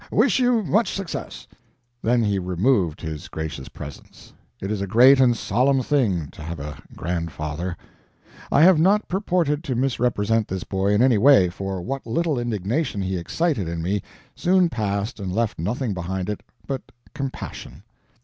Wish you much success." Then he removed his gracious presence. It is a great and solemn thing to have a grandfather. I have not purposed to misrepresent this boy in any way, for what little indignation he excited in me soon passed and left nothing behind it but compassion.